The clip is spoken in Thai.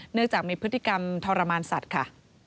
เนื่องจากมีพฤติกรรมทรมานสัตว์ค่ะ